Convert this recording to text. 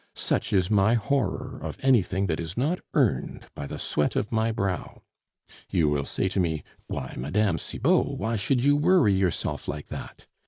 Such is my horror of anything that is not earned by the sweat of my brow. "You will say to me, 'Why, Mme. Cibot, why should you worry yourself like that?